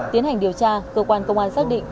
tiến hành điều tra cơ quan công an xác định